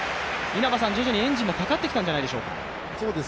徐々にエンジンもかかってきたんじゃないでしょうか？